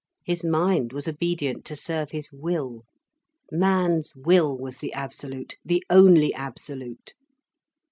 His mind was obedient to serve his will. Man's will was the absolute, the only absolute.